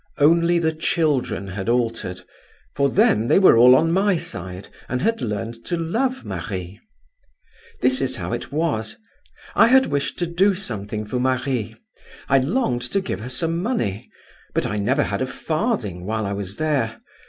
Only the children had altered—for then they were all on my side and had learned to love Marie. "This is how it was: I had wished to do something for Marie; I longed to give her some money, but I never had a farthing while I was there.